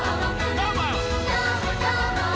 どーも！